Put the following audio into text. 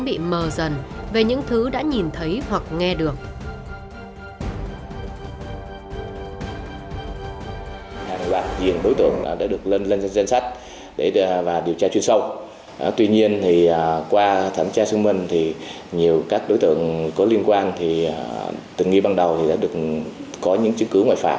để không bị mờ dần về những thứ đã nhìn thấy hoặc nghe được